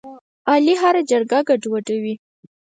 علي هره جرګه ګډوډوي.